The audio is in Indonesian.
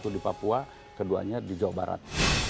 satu di papua keduanya di jawa barat